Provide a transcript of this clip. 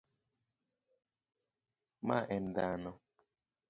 ma en dhano